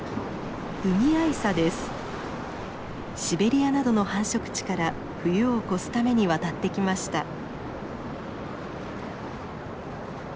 シベリアなどの繁殖地から冬を越すために渡ってきました。